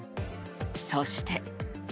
そして。